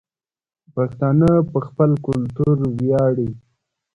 پښتانه په خپل کلتور وياړي